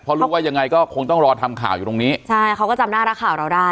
เพราะรู้ว่ายังไงก็คงต้องรอทำข่าวอยู่ตรงนี้ใช่เขาก็จำหน้านักข่าวเราได้